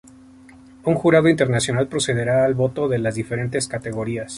Un jurado internacional procederá al voto de las diferentes categorías.